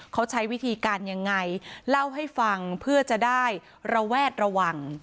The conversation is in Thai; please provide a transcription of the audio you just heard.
เขาใช้วิธีการยังไงเล่าให้ฟังเพื่อจะได้ระแวดระวัง